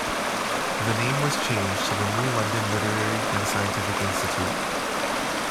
The name was changed to the New London Literary and Scientific Institute.